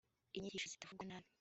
inyigisho zitavugwa nabi